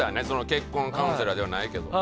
結婚カウンセラーじゃないけど。